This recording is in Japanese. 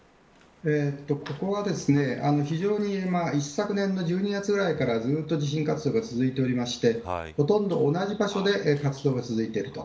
ここは非常に一昨年の１２月ぐらいからずっと地震活動が続いておりましてほとんど同じ場所で活動が続いていると。